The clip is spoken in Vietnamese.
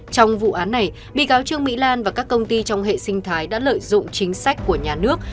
trong vụ án này bị cáo trương mỹ lan và các công ty trong hệ sinh thái đã lợi dụng chính sách của nhà nước